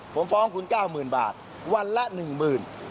ผมฟ้องคุณ๙๐๐๐บาทวันละ๑๐๐๐บาท